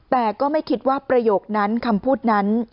แต่ก็ไม่คิดว่าประโยคนั้นคำพูดนั้น